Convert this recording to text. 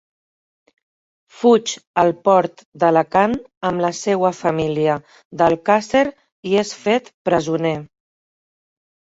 Fuig al Port d'Alacant amb la seua família d'Alcàsser i és fet presoner.